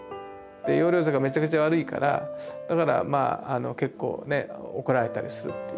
で要領とかめちゃくちゃ悪いからだからまあ結構ね怒られたりするっていうか。